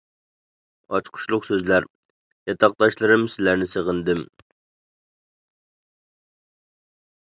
ئاچقۇچلۇق سۆزلەر : ياتاقداشلىرىم, سىلەرنى سېغىندىم!